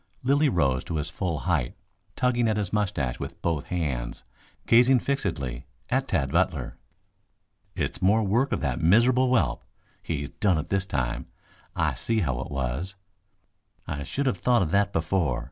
Lilly rose to his full height, tugging at his moustache with both hands, gazing fixedly at Tad Butler. "It's more work of that miserable whelp. He's done it this time. I see how it was. I should have thought of that before.